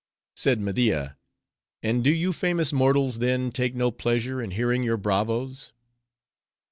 '" Said Media, "And do you famous mortals, then, take no pleasure in hearing your bravos?"